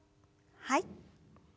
はい。